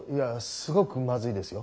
すごくマズいですよ。